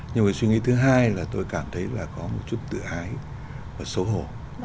nhưng cái suy nghĩ thứ hai là tôi cảm thấy là có một chút tự hái và xấu hổ